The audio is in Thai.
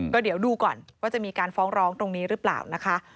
ก็เดี๋ยวดูก่อนว่าจะมีการฟ้องร้องตรงนี้หรือเปล่านะคะ